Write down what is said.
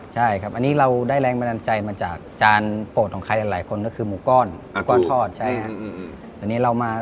ใช่ครับอันนี้เราได้แรงแภนใจมาจากจานโปรดของใครหลายคนก็คือหมูก้อน